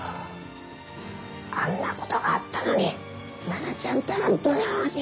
あんなことがあったのに菜奈ちゃんったら不用心！